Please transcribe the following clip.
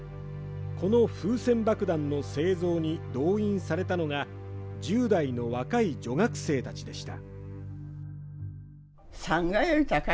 この風船爆弾の製造に動員されたのが１０代の若い女学生たちでした。